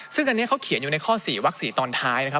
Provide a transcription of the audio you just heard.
ซึ่งอันนี้เขาเขียนอยู่ในข้อ๔วัก๔ตอนท้ายนะครับ